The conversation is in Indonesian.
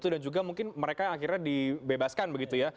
dan juga mungkin mereka akhirnya dibebaskan begitu ya